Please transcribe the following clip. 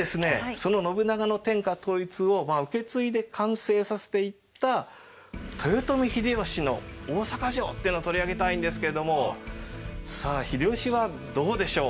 その信長の天下統一を受け継いで完成させていった豊臣秀吉の大坂城っていうのを取り上げたいんですけれどもさあ秀吉はどうでしょう？